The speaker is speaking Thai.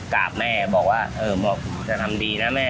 กราบแม่บอกว่าเออจะทำดีนะแม่